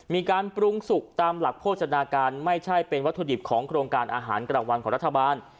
มีการปรุงสุกตามหลักโภชนาการไม่ใช่เป็นวัตถุดิบของโครงการอาหารกลางวันของรัฐบาล